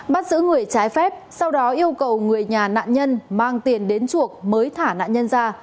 bắt giữ người trái phép sau đó yêu cầu người nhà nạn nhân mang tiền đến chuộc mới thả nạn nhân ra